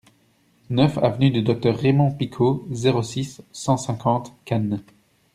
neuf avenue du Docteur Raymond Picaud, zéro six, cent cinquante, Cannes